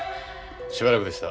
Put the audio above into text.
しばらくでした。